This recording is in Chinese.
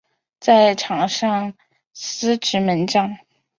在场上司职门将。